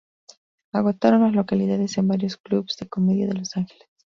Agotaron las localidades en varios clubes de comedia de Los Ángeles.